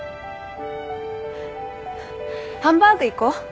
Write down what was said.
ハンバーグ行こう。